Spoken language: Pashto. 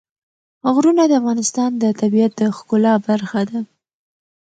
غرونه د افغانستان د طبیعت د ښکلا برخه ده.